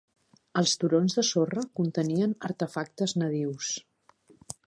Els turons de sorra contenien artefactes nadius.